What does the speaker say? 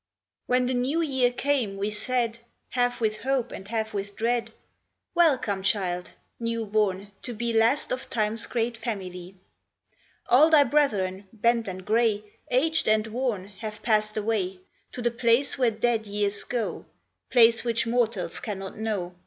HEN the New Year came, we said, Half with hope and half with dread :" Welcome, child, new born to be Last of Time s great family ! All thy brethren, bent and gray, Aged and worn, have passed away To the place where dead years go, Place which mortals cannot know.